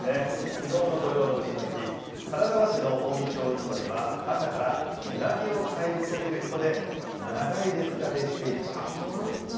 きのうの土用のうしの日、近江町市場では、朝からうなぎを買い求める人で長い列が出来ていました。